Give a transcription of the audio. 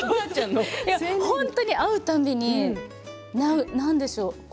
本当に会う度に、何でしょう？